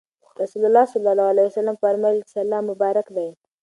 رسول الله صلی الله عليه وسلم فرمایلي چې سلام مبارک دی.